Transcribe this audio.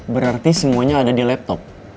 berarti semuanya ada di laptop